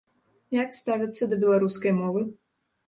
Як ставяцца да беларускай мовы?